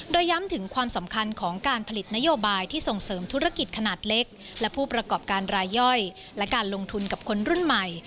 โดยย้ำถึงความสำคัญของการผลิตนโยบายที่ส่งเสริมธุรกิจขนาดเล็กและผู้ประกอบการรายย่อยและการลงทุนกับคนรุ่นใหม่